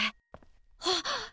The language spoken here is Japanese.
あっ！